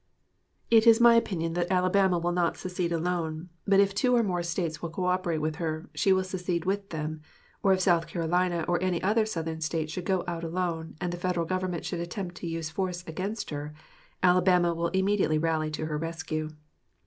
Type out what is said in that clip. It is my opinion that Alabama will not secede alone, but if two or more States will coöperate with her, she will secede with them; or if South Carolina or any other Southern State should go out alone and the Federal Government should attempt to use force against her, Alabama will immediately rally to her rescue.